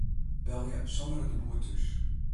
Belje Sandra de Boer thús.